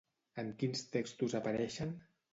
En quins textos apareixen?